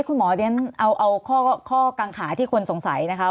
คุณหมอเรียนเอาข้อกังขาที่คนสงสัยนะคะ